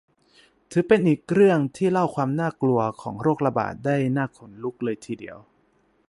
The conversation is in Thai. ถือเป็นอีกเรื่องที่เล่าความน่ากลัวของโรคระบาดได้น่าขนลุกทีเดียว